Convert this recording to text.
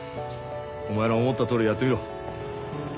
お前の思ったとおりやってみろ。